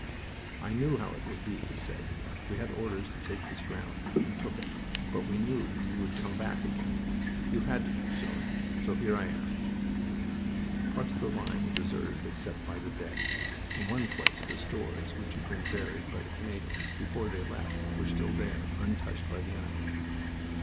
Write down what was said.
"I knew how it would be," he said. "We had orders to take this ground, and took it; but we knew you would come back again. You had to do so. So here I am." Parts of the line were deserted, except by the dead. In one place the stores which had been buried by the Canadians before they left were still there, untouched by the enemy.